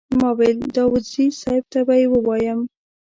ما ویل داوودزي صیب ته به ووایم.